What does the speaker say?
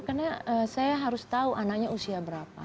karena saya harus tahu anaknya usia berapa